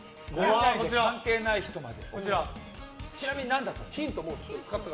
関係ない人まで怒る。